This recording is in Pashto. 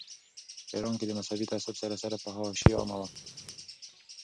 په ایران کې د مذهبي تعصب سره سره فحاشي عامه وه.